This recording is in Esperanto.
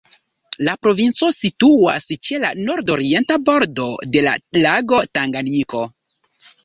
La provinco situas ĉe la nordorienta bordo de la lago Tanganjiko.